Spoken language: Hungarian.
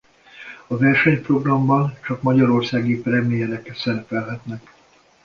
A versenyprogramban csak magyarországi premierek szerepelhetnek.